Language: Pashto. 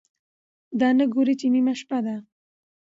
دا نه ګوري چې نیمه شپه ده،